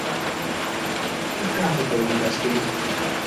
Πού κάθεται ο δικαστής;